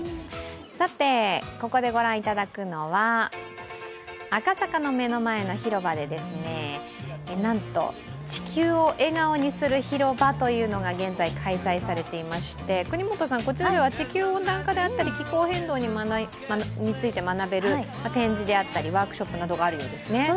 さて、ここでご覧いただくのは赤坂の目の前の広場でなんと地球を笑顔にする広場というのが現在、開催されていまして、こちらでは地球温暖化であったり気候変動について学べるワークショップなどがあるようですね。